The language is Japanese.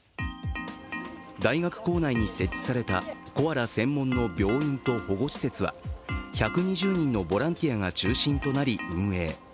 大学構内に設置されたコアラ専門の病院と保護施設は１２０人のボランティアが中心となり運営。